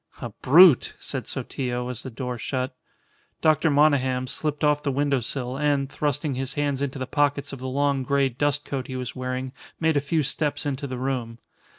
"A brute!" said Sotillo, as the door shut. Dr. Monygham slipped off the window sill, and, thrusting his hands into the pockets of the long, grey dust coat he was wearing, made a few steps into the room.